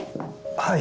はい。